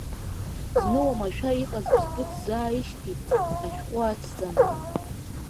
Зны уамашәа иҟаз ԥстәык сзааишьҭит, ашәҟәы ацҵаны…